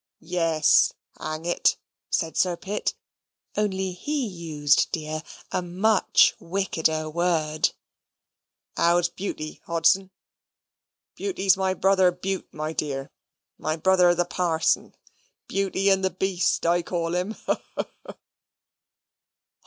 "Yes, hang it," (said Sir Pitt, only he used, dear, A MUCH WICKEDER WORD); "how's Buty, Hodson? Buty's my brother Bute, my dear my brother the parson. Buty and the Beast I call him, ha, ha!"